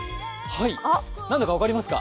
何だかわかりますか？